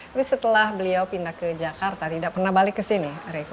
tapi setelah beliau pindah ke jakarta tidak pernah balik ke sini